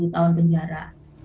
dua puluh tahun penjara